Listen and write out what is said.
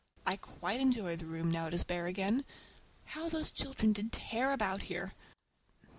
I quite enjoy the room, now it is bare again. How those children did tear about here!